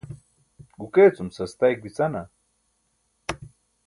guke cum sastayik bicana?